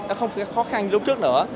nó không phải là khó khăn như lúc trước nữa